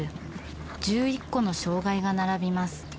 １１個の障害が並びます。